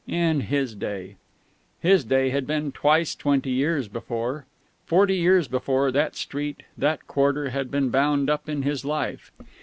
In his day!... His day had been twice twenty years before. Forty years before, that street, that quarter, had been bound up in his life.